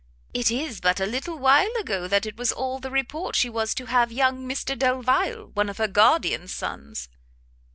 It is but a little while ago that it was all the report she was to have young Mr Delvile, one of her guardian's sons."